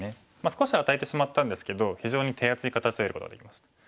少し与えてしまったんですけど非常に手厚い形を得ることができました。